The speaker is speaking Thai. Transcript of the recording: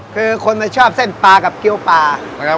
คนวัยชอบเส้นปลากับเกี่ยวกับปลา